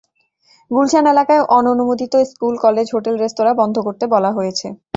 গুলশান এলাকায় অননুমোদিত school, college, hotel, restaurant বন্ধ করতে বলা হয়েছে।